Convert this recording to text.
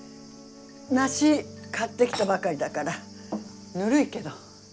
梨買ってきたばかりだからぬるいけど。